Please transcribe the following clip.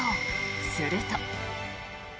すると。